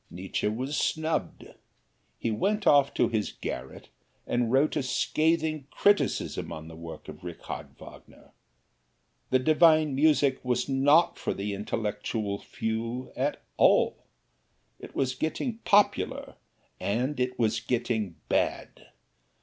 Nietzsche was snubbed. He went off to his garret and wrote a scathing criticism on the work of Richard Wagner. This divine music was not for the intellectual few at all it was getting popular and it was getting bad.